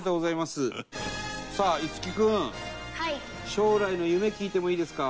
将来の夢聞いてもいいですか？